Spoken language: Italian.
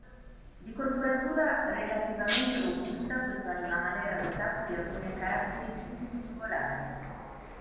Di corporatura relativamente robusta, questo animale era dotato di alcune caratteristiche singolari.